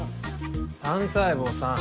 単細胞さん。